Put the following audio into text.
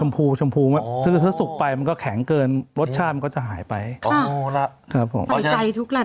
ให้มันออกชมพูถ้าสุกไปมันก็แข็งเกินรสชาติมันก็จะหายไปขออนุญาตขออนุญาต